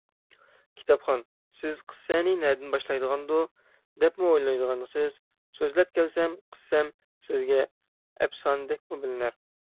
كىتابخان، سىز قىسسەنى نەدىن باشلايدىغاندۇ، دەپمۇ ئويلايدىغانسىز، سۆزلەپ كەلسەم، قىسسەم سىزگە ئەپسانىدەكمۇ بىلىنەر.